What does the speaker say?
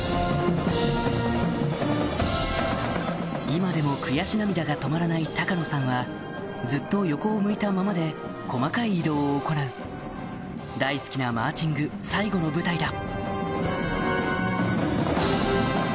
今でも悔し涙が止まらない野さんはずっと横を向いたままで細かい移動を行う大好きなマーチング最後の舞台だ